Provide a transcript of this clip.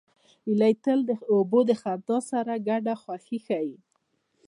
هیلۍ تل د اوبو د خندا سره ګډه خوښي ښيي